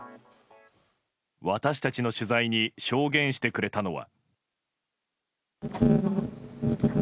私たちの取材に証言してくれたのは。